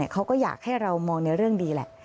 เขาก็อยากให้เรามองในเรื่องดีแหละ